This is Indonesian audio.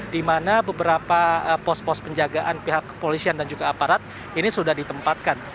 di mana beberapa pos pos penjagaan pihak kepolisian dan juga aparat ini sudah ditempatkan